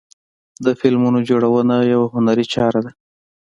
د فلمونو جوړونه یوه هنري چاره ده.